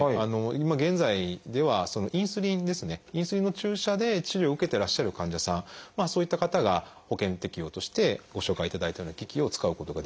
今現在ではインスリンですねインスリンの注射で治療を受けてらっしゃる患者さんそういった方が保険適用としてご紹介いただいたような機器を使うことができます。